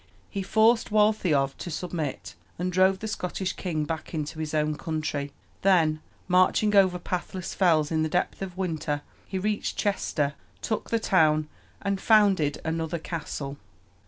He forced Waltheof to submit, and drove the Scottish king back into his own country; then, marching over pathless fells in the depth of winter, he reached Chester, took the town, and founded another castle.